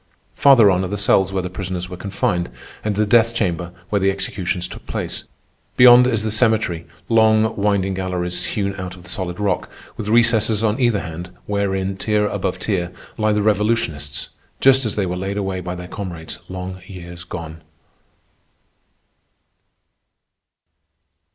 Farther on are the cells where the prisoners were confined, and the death chamber where the executions took place. Beyond is the cemetery—long, winding galleries hewn out of the solid rock, with recesses on either hand, wherein, tier above tier, lie the revolutionists just as they were laid away by their comrades long years agone.